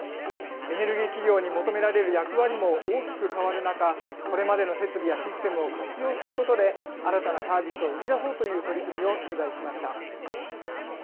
エネルギー企業に求められる役割も大きく変わる中、これまでの設備やシステムを活用することで、新たなサービスを生み出そうという取り組みを取材しました。